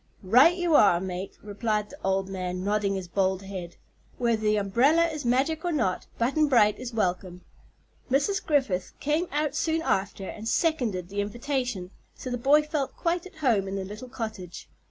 "Right you are, mate," replied the old man, nodding his bald head. "Whether the umbrel is magic or not, Butt'n Bright is welcome." Mrs. Griffith came out soon after, and seconded the invitation, so the boy felt quite at home in the little cottage.